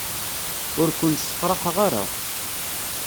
Ur ken-sefṛaḥeɣ ara.